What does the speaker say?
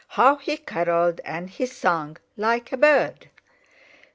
How he carolled and he sang, like a bird!..."